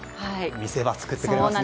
見せ場作ってくれますね。